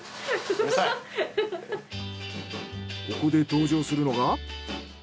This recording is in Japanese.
ここで登場するのが。